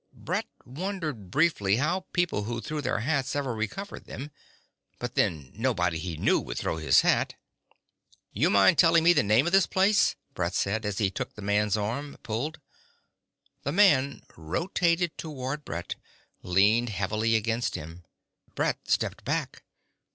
Brett wondered briefly how people who threw their hats ever recovered them. But then, nobody he knew would throw his hat ... "You mind telling me the name of this place?" Brett said, as he took the man's arm, pulled. The man rotated toward Brett, leaning heavily against him. Brett stepped back.